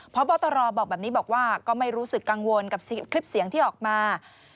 พบตรบอกแบบนี้บอกว่าก็ไม่รู้สึกกังวลกับคลิปเสียงที่ออกมา